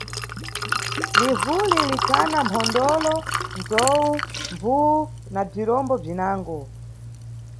Livuli likhana mphondolo, ndzowu, mbvuwu na bzirombo bzinango.